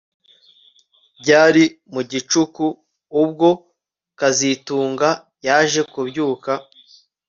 Byari mu gicuku ubwo kazitunga yaje kubyuka